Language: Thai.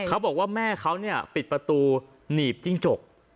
เขาบอกว่าแม่เขาเนี่ยปิดประตูหนีบจิ้งจก